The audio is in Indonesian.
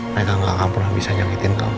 mereka gak akan pernah bisa nyakitin kamu